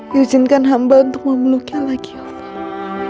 yuzinkan hamba untuk memeluknya lagi ya allah